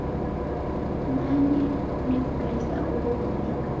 Kumanye nekulisa oho kueka.